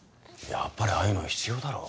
やっぱりああいうの必要だろう